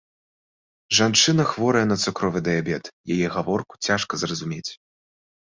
Жанчына хворая на цукровы дыябет, яе гаворку цяжка зразумець.